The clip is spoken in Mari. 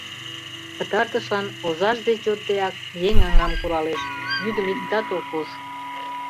Пытартышлан, озаж деч йоддеак, еҥ аҥам куралеш, йӱдым иктат ок уж.